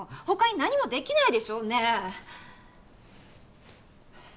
他に何もできないでしょねえ